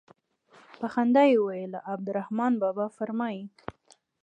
په خندا يې وويل رحمان بابا فرمايي.